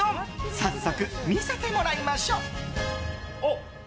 早速、見せてもらいましょう。